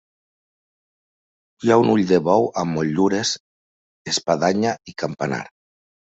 Hi ha un ull de bou amb motllures, espadanya i campanar.